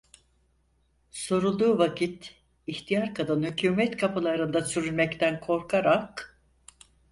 Sorulduğu vakit, ihtiyar kadın hükümet kapılarında sürünmekten korkarak: